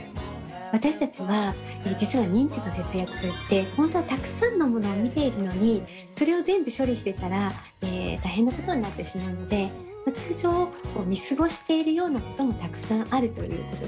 私たちは実は認知の節約といって本当はたくさんのものを見ているのにそれを全部処理してたら大変なことになってしまうので通常見過ごしているようなこともたくさんあるということですね。